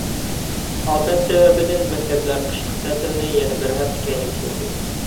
ئاپەت سەۋەبىدىن مەكتەپلەر قىشلىق تەتىلنى يەنە بىر ھەپتە كەينىگە سۈردى.